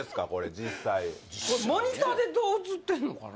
実際モニターでどう映ってんのかな？